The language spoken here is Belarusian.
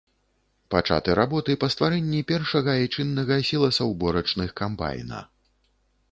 Пачаты работы па стварэнні першага айчыннага сіласаўборачных камбайна.